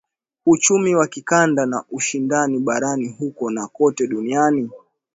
uchumi wa kikanda na ushindani barani huko na kote duniani